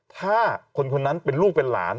ถ้าคนคนนั้นเป็นลูกเป็นหลาน